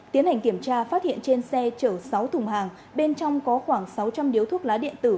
tiến hành kiểm tra phát hiện trên xe chở sáu thùng hàng bên trong có khoảng sáu trăm linh điếu thuốc lá điện tử